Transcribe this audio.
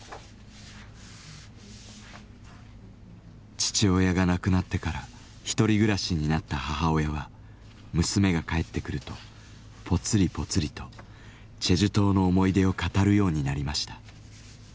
父親が亡くなってから一人暮らしになった母親は娘が帰ってくるとぽつりぽつりとチェジュ島の思い出を語るようになりました。